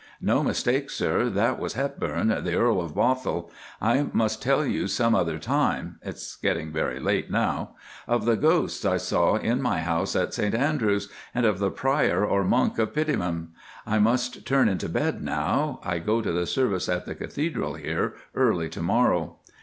No mistake, sir, that was Hepburn, the Earl of Bothwell. I must tell you some other time—(it's getting very late now)—of the ghosts I saw in my house at St Andrews, and of the Prior or Monk of Pittenweem. I must turn into bed now. I go to the service at the Cathedral here early to morrow."